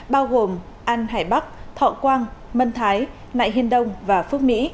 bao gồm an hải bắc thọ quang mân thái nại hiên đông và phước mỹ